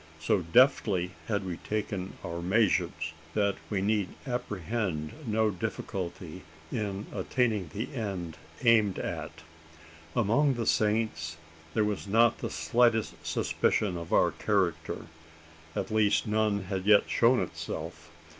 So deftly had we taken our measures, that we need apprehend no great difficulty in attaining the end aimed at. Among the Saints, there was not the slightest suspicion of our character at least none had yet shown itself.